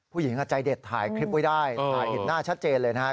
ผู้หญิงใจเด็ดถ่ายคลิปไว้ได้ถ่ายเห็นหน้าชัดเจนเลยนะฮะ